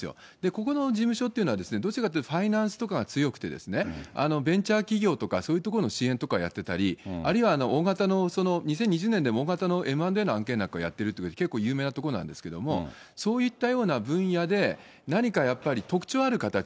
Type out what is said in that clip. ここの事務所っていうのは、どちらかというとファイナンスとかが強くて、ベンチャー企業とか、そういうとこの支援とかをやってたり、あるいは大型の、２０２０年でも大型のＭ＆Ａの案件などもやってるというところで、結構有名なところなんですけど、そういったような分野で、何かやっぱり特徴ある形。